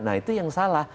nah itu yang salah